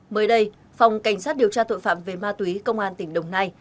mới đây phòng cảnh sát điều tra tội phạm về ma túy công an tỉnh đồng nai